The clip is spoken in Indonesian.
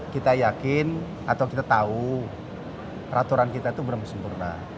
kita yakin atau kita tahu peraturan kita itu belum sempurna